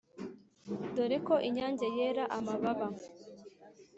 Dore ko inyange yera amababa